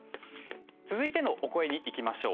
続いての、お声にいきましょう。